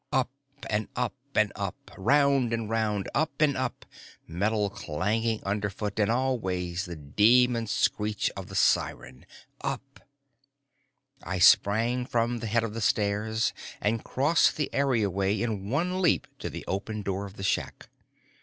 Up and up and up, round and round, up and up, metal clanging underfoot and always the demon screech of the siren up! I sprang from the head of the stairs and crossed the areaway in one leap to the open door of the shack.